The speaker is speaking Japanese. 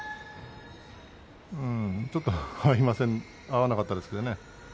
ちょっと合わなかったですね。